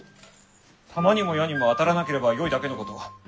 弾にも矢にも当たらなければよいだけのこと。